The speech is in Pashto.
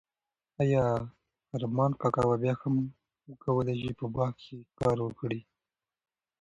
ایا ارمان کاکا به بیا هم وکولای شي په باغ کې کار وکړي؟